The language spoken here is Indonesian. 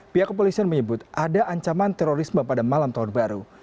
pihak kepolisian menyebut ada ancaman terorisme pada malam tahun baru